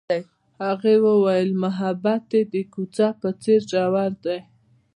هغې وویل محبت یې د کوڅه په څېر ژور دی.